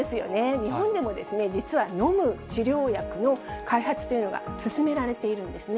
日本でも実は飲む治療薬の開発というのが進められているんですね。